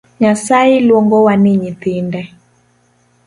Nyasaye luongowa ni nyithinde